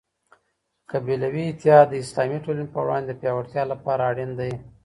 قبیلوي اتحاد د اسلامي ټولني په وړاندي د پياوړتیا لپاره اړین دی.